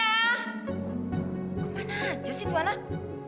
kemana aja sih itu anak